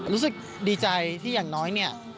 รู้สึกดีใจที่อย่างน้อย